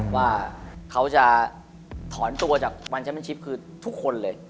ว่าเขาจะถอนตัวจากวันแชมเป็นชิปคือทุกคนเลย